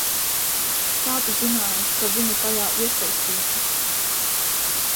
Kā tu zināji, ka viņa tajā iesaistīta?